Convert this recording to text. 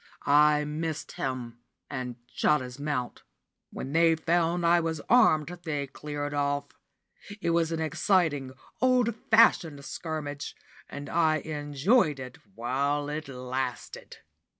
I missed him, and shot his mount. When they found I was armed, they cleared off. It was an exciting, old fashioned scrimmage, and I enjoyed it while it lasted.